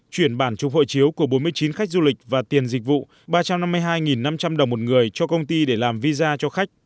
chuyển bản trục hộ chiếu của bốn mươi chín khách du lịch và tiền dịch vụ ba trăm năm mươi hai năm trăm linh đồng một người cho công ty để làm visa cho khách